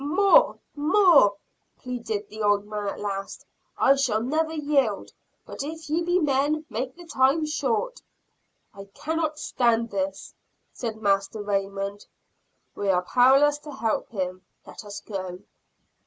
"More! More!" pleaded the old man at last. "I shall never yield. But, if ye be men, make the time short!" "I cannot stand this," said Master Raymond. "We are powerless to help him let us go."